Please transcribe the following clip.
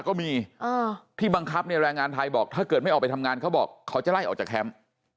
ก็มีที่บังคับเนี่ยแรงงานไทยบอกถ้าเกิดไม่ออกไปทำงานเขาบอกเขาจะไล่ออกจากแคมป์